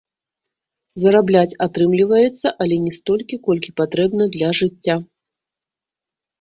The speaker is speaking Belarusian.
Зарабляць атрымліваецца, але не столькі, колькі патрэбна для жыцця.